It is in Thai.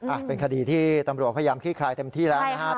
เป็นคดีที่ตำรวจพยายามขี้คลายเต็มที่แล้วนะครับ